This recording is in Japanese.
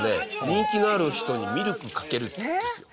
人気のある人にミルクかけるんですよ。